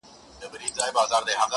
o ساقي واخله ټول جامونه پرې خړوب که,